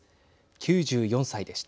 ９４歳でした。